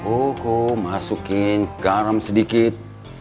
oho masukin garam sedikit